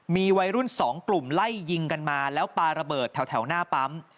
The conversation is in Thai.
มีวัยรุ่นสองกลุ่มไล่ยิงกันมาแล้วปลาระเบิดแถวหน้าปั๊ม